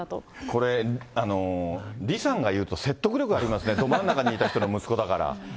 これ、リさんが言うと説得力ありますね、ど真ん中にいた人の息子だから。